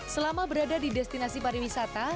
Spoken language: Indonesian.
selama berada di destinasi pariwisata